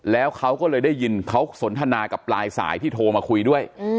แล้วเขาก็เลยได้ยินเขาสนทนากับปลายสายที่โทรมาคุยด้วย